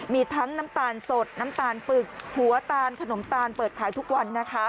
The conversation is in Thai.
มีทั้งน้ำตาลสดน้ำตาลปึกหัวตาลขนมตาลเปิดขายทุกวันนะคะ